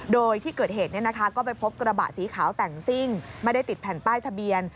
โดยที่เกิดเหตุก็ไปพบกระบะสีขาวแต่งซิ่งไม่ได้ติดแผ่นป้ายทะเบียน